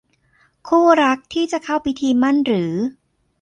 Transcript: คู่รักที่จะเข้าพิธีหมั้นหรือ